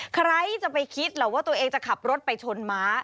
ใครจะไปคิดหรอกว่าตัวเองจะขับรถไปชนม้า